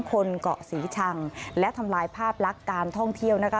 คนเกาะศรีชังและทำลายภาพลักษณ์การท่องเที่ยวนะคะ